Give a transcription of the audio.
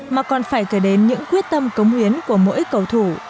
mà còn phải kể đến những quyết tâm cống hiến của mỗi cầu thủ